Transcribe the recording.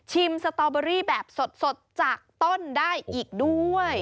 สตอเบอรี่แบบสดจากต้นได้อีกด้วย